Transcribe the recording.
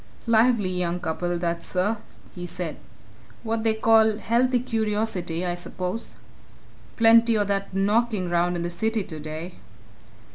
"Lively young couple, that, sir!" he said. "What they call healthy curiosity, I suppose? Plenty o' that knocking around in the city today."